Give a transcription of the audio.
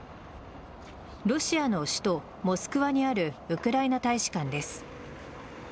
ロシアの首都・モスクワにあるウクライナ大使館です。